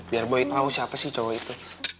biar boy tau siapa sih cowo itu